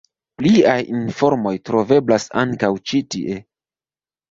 Pliaj informoj troveblas ankaŭ ĉi tie.